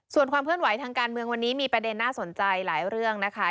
ส่วนความเคลื่อนไหวทางการเมืองวันนี้มีประเด็นน่าสนใจหลายเรื่องนะคะ